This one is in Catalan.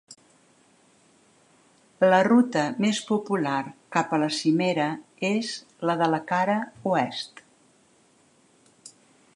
La ruta més popular cap a la cimera és la de la cara oest.